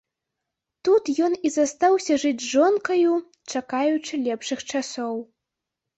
Тут ён і застаўся жыць з жонкаю, чакаючы лепшых часоў.